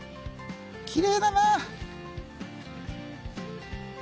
きれいだな！